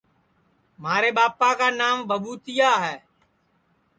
مھارے ٻاپا کا نانٚو بھٻُوتِیا ہے